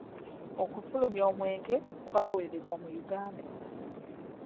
Okufulumya omwenge kwawerebwa mu Uganda.